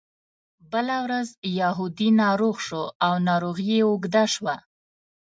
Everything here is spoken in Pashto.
بله ورځ یهودي ناروغ شو او ناروغي یې اوږده شوه.